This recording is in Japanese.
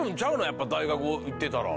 やっぱ大学行ってたら。